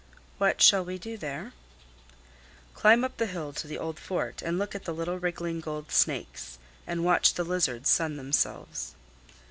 "What shall we do there?" "Climb up the hill to the old fort and look at the little wriggling gold snakes, and watch the lizards sun themselves."